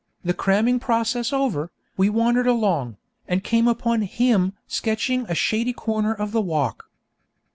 The cramming process over, we wandered along, and came upon 'him' sketching a shady corner of the walk.